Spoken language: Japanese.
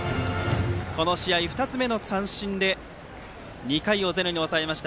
この試合、２つ目の三振で２回をゼロに抑えました。